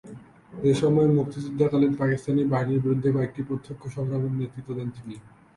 সে সময়ে মুক্তিযুদ্ধকালীন পাকিস্তানি বাহিনীর বিরুদ্ধে কয়েকটি প্রত্যক্ষ সংগ্রামে নেতৃত্ব দেন তিনি।